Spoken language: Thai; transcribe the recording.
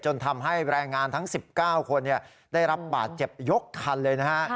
ทำให้แรงงานทั้ง๑๙คนได้รับบาดเจ็บยกคันเลยนะฮะ